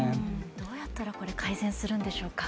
どうやったら改善するんでしょうか？